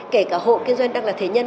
kể cả hộ kinh doanh đang là thể nhân